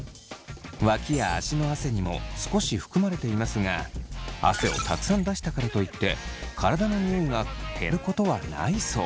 脇や足の汗にも少し含まれていますが汗をたくさん出したからといって体のニオイが減ることはないそう。